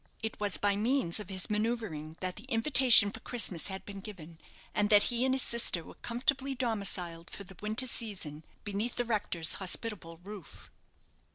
It was by means of his manoeuvring that the invitation for Christmas had been given, and that he and his sister were comfortable domiciled for the winter season beneath the rector's hospitably roof.